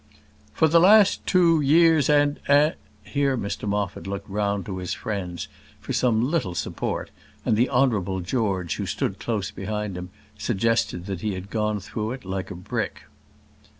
"For the last two years and and " Here Mr Moffat looked round to his friends for some little support, and the Honourable George, who stood close behind him, suggested that he had gone through it like a brick.